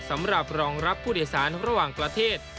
สำหรับรองรับผู้โดยสารระหว่างประเทศ